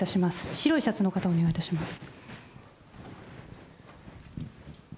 白いシャツの方、お願いいたします。